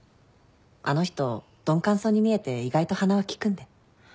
あの人鈍感そうに見えて意外と鼻は利くんで。